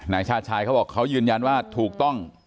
ชาติชายเขาบอกเขายืนยันว่าถูกต้อง